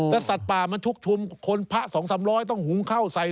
ถ้าสัตว์ป่ามันชุกชุมคนพระ๒๓๐๐ต้องหุงเข้าใส่